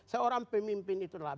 seorang pemimpin itu adalah